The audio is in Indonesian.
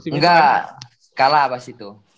enggak kalah pas itu